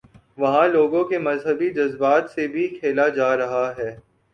وہاں لوگوں کے مذہبی جذبات سے بھی کھیلاجا رہا ہے۔